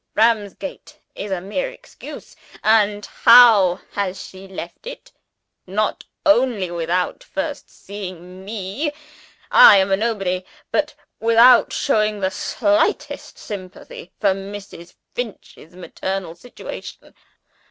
Ramsgate is a mere excuse. And how has she left it? Not only without first seeing Me I am Nobody! but without showing the slightest sympathy for Mrs. Finch's maternal situation.